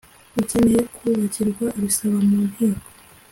ucyeneye kubakirwa abisaba mu nteko